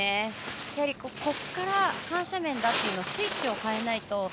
やはりここから緩斜面だというスイッチを変えないと。